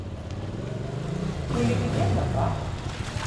Hoe liket jim dat ta?